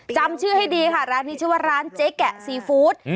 จำชื่อให้ดีค่ะร้านนี้ชื่อว่าร้านเจ๊แกะซีฟู้ด